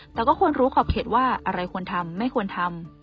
แต่ก็ควรรู้ขอบเขตว่าอะไรควรทำไม่ควรทำ